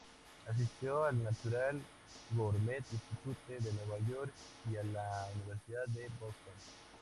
Asistió al Natural Gourmet Institute en Nueva York y a la Universidad de Boston.